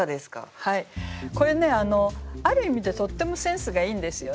これねある意味でとってもセンスがいいんですよね。